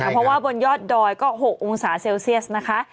เพราะว่าบนยอดดอยก็๖องศาเซลเซียสนะคะ